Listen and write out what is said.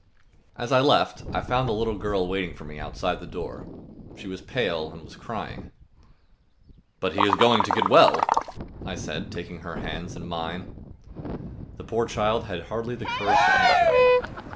As I left, I found the little girl waiting for me outside the door. She was pale and was crying. "But he is going to get well," I said, taking her hands in mine. The poor child had hardly courage to answer me.